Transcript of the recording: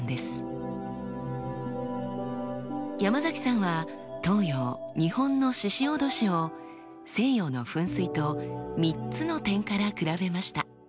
山崎さんは東洋日本の鹿おどしを西洋の噴水と３つの点から比べました。